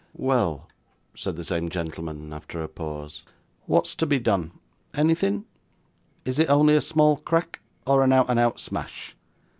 'Well,' said the same gentleman, after a pause, 'wot's to be done anything? Is it only a small crack, or a out and out smash?